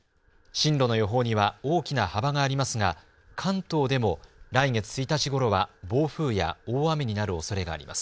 進路の予報には大きな幅がありますが関東でも来月１日ごろは暴風や大雨になるおそれがあります。